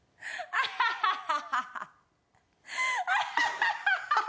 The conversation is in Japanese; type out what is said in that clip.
アハハハ！